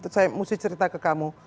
saya mesti cerita ke kamu